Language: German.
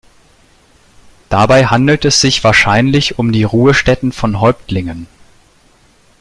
Dabei handelt es sich wahrscheinlich um die Ruhestätten von Häuptlingen.